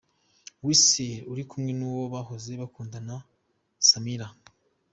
Weasel ari kumwe n'uwo bahoze bakundana, Samira.